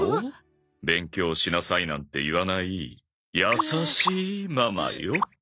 勉強しなさいなんて言わない優しいママよ。